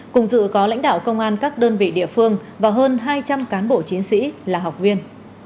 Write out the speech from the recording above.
cùng dự có lãnh đạo công an các đơn vị địa phương và hơn hai trăm linh cán bộ chiến sĩ là học viên